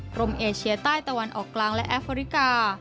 กรมเอเชียใต้ตะวันออกกลางและแอฟริกา